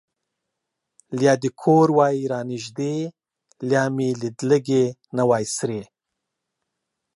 لیا دې کور وای را نژدې ـ لیا مې لیدلګې نه وای سرې